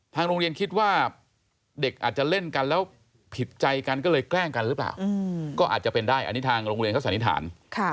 โรงเรียนคิดว่าเด็กอาจจะเล่นกันแล้วผิดใจกันก็เลยแกล้งกันหรือเปล่าก็อาจจะเป็นได้อันนี้ทางโรงเรียนเขาสันนิษฐาน